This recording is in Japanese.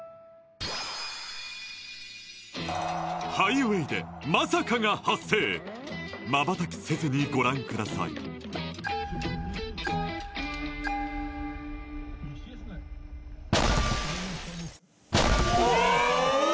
ハイウェイでまさかが発生瞬きせずにご覧くださいうわっ！